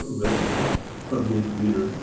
Redmond from his breeder, Mr. F.